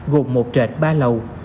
gồm một trệt ba lầu